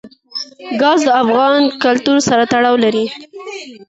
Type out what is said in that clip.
ګاز د افغان کلتور سره تړاو لري.